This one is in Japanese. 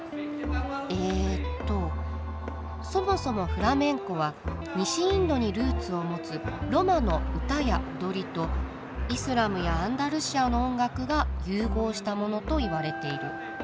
えっと「そもそもフラメンコは西インドにルーツを持つロマの歌や踊りとイスラムやアンダルシアの音楽が融合したものといわれている。